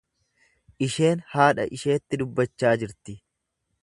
Isheen haadha isheetti dubbachaa jirti.